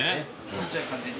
こっちは完全に。